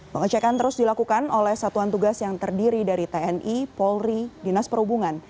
pengecekan terus dilakukan oleh satuan tugas yang terdiri dari tni polri dinas perhubungan